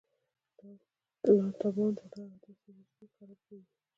لاتابند لاره ولې اوس نه کارول کیږي؟